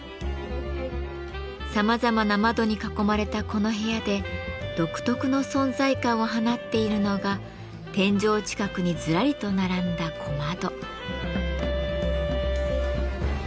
さまざまな窓に囲まれたこの部屋で独特の存在感を放っているのが天井近くにずらりと並んだ小窓。